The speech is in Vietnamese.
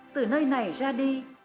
từ nơi này ra đi